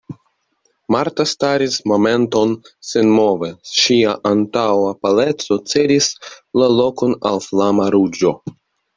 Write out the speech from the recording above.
Marta staris momenton senmove, ŝia antaŭa paleco cedis la lokon al flama ruĝo.